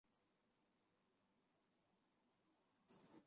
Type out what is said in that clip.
周孝王封大骆之子非子于秦邑。